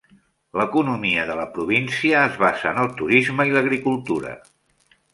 L'economia de la província es basa en el turisme i l'agricultura.